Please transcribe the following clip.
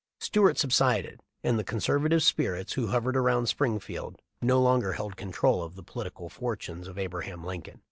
Stuart subsided, and the con servative spirits who hovered around Springfield no longer held control of the political fortunes of Abraham Lincoln.